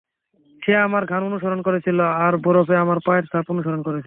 সে আমার ঘ্রাণ অনুসরণ করেছিল, আর বরফে আমার পায়ের ছাপ অনুসরণ করেছিল।